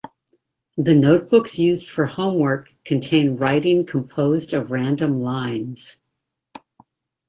The notebooks used for homework contain writing composed of random lines.